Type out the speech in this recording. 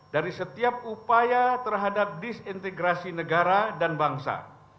dari setiap upaya terhadap disintegrasi negara dan bangsa